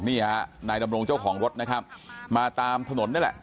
นี่ฮะนายดำรงเจ้าของรถนะครับมาตามถนนนี่แหละ